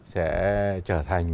sẽ trở thành